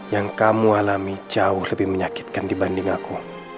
yang kamu alami jauh lebih menyakitkan dibanding aku